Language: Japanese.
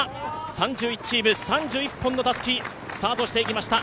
３１チーム３１本のたすき、スタートしていきました。